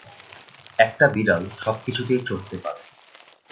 একটা বিড়াল সবকিছুতেই চড়তে পারে।